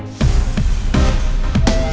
ketemu lagi di pronsi lama